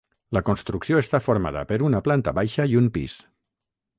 La construcció està formada per una planta baixa i un pis.